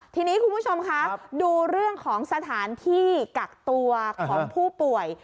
ทีนี้คุณผู้ชมคะดูเรื่องของสถานที่กักตัวของผู้ป่วย